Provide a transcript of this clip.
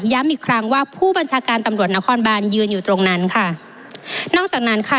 อีกครั้งว่าผู้บัญชาการตำรวจนครบานยืนอยู่ตรงนั้นค่ะนอกจากนั้นค่ะ